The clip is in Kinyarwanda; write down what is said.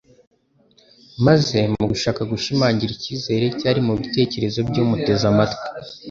maze mu gushaka gushimangira icyizere cyari mu bitekerezo by’umuteze amatwi,